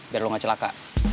biar lo gak celaka